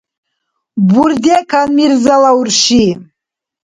Бурдекан Мирзала урши